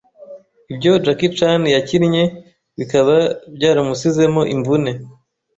ibyo Jackie Chan yakinnye bikaba byaramusizemo imvune